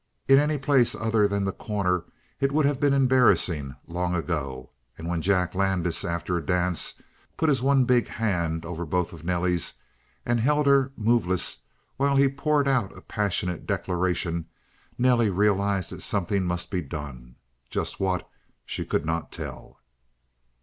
In any place other than The Corner it would have been embarrassing long ago; and when Jack Landis, after a dance, put his one big hand over both of Nelly's and held her moveless while he poured out a passionate declaration, Nelly realized that something must be done. Just what she could not tell.